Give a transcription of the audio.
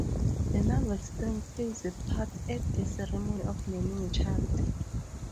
The navel-string plays a part at the ceremony of naming a child.